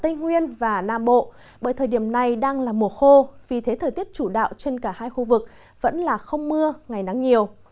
tây nguyên và nam bộ bởi thời điểm này đang là mùa khô vì thế thời tiết chủ đạo trên cả hai khu vực vẫn là không mưa ngày nắng nhiều